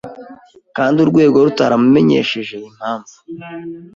kandi urwego rutaramumenyesheje impamvu